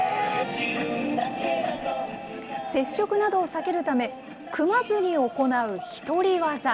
接触などを避けるため、組まずに行う１人技。